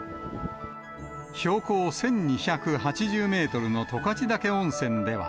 標高１２８０メートルの十勝岳温泉では。